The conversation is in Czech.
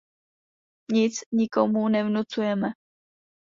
Nic nikomu nevnucujeme.